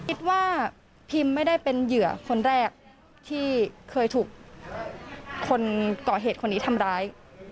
คิดว่าพิมไม่ได้เป็นเหยื่อคนแรกที่เคยถูกคนก่อเหตุคนนี้ทำร้าย